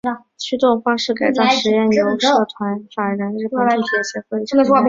驱动方式改造试验由社团法人日本地铁协会承担。